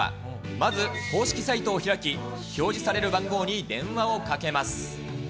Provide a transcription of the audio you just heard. まず公式サイトを開き、表示される番号に電話をかけます。